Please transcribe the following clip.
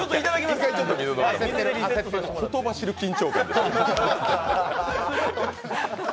ほとばしる緊張感。